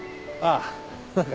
ああ。